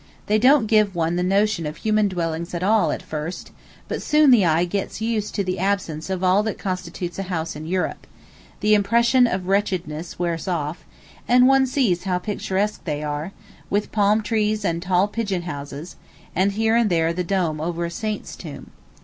They don't give one the notion of human dwellings at all at first, but soon the eye gets used to the absence of all that constitutes a house in Europe, the impression of wretchedness wears off, and one sees how picturesque they are, with palm trees and tall pigeon houses, and here and there the dome over a saint's tomb.